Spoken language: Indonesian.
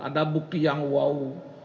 ada bukti yang wow